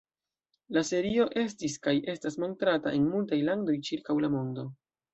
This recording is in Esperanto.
La serio estis kaj estas montrata en multaj landoj ĉirkaŭ la mondo.